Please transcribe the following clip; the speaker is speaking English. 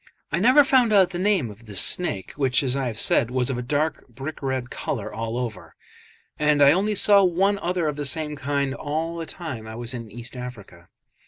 I never found out the name of this snake, which, as I have said, was of a dark brick red colour all over; and I only saw one other of the same kind all the time I was in East Africa.